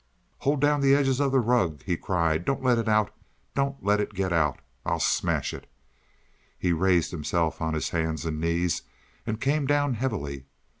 "Hold down the edges of the rug!" he cried. "Don't let it out. Don't let it get out. I'll smash it." He raised himself on his hands and knees, and came down heavily.